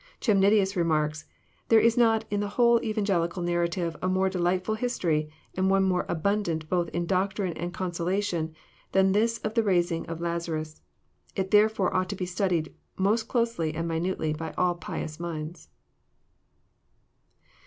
Chemnitius remarks :<< There is not in the whole Evangelical narrative a more delightfhl history, and one more abundant both in doctrine and consolation, than this of the raising of Lazarus. It therefore ought to be studied most closely and minutely by all pious minds."